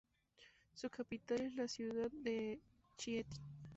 Su capital es la ciudad de Chieti.